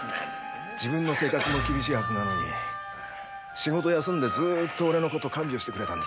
自分の生活も厳しいはずなのに仕事休んでずっと俺の事看病してくれたんですよ。